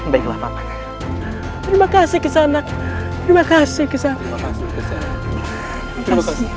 baiklah pak terima kasih kesana terima kasih kesana